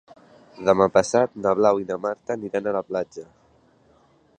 Demà passat na Blau i na Berta aniran a la platja.